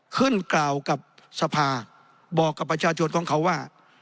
ขึ้นกล่าวกับสภาบอกกับประชาชนของเขาว่า